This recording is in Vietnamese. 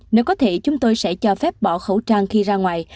nếu có thể chúng tôi sẽ cho phép bỏ khẩu trang khi ra ngoài